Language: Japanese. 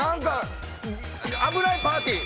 危ないパーティー。